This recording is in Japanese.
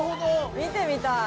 見てみたい。